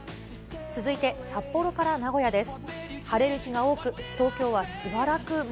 続いて札幌から名古屋です。